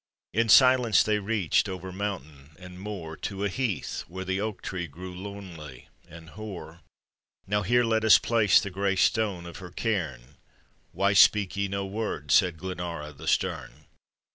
In silence they reach'd over mountain and moor, To a heath, where the oak tree grew lonely and hoar: " Now here let us place the gray stone of her cairn: Why speak ye no word?" said Glenara the stern.